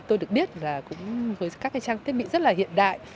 như tôi được biết là với các trang thiết bị rất hiện đại